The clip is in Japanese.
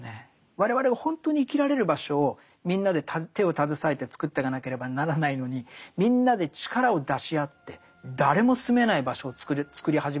我々が本当に生きられる場所をみんなで手を携えてつくっていかなければならないのにみんなで力を出し合って誰も住めない場所をつくり始めてる。